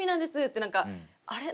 ってなんかあれ？